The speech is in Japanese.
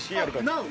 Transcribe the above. ナウ？